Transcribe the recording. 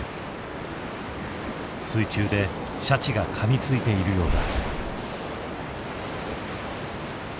水中でシャチがかみついているようだ。